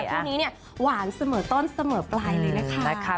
คู่นี้เนี่ยหวานเสมอต้นเสมอปลายเลยนะคะ